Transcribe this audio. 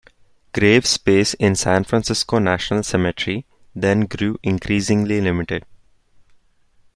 Grave space in San Francisco National Cemetery then grew increasingly limited.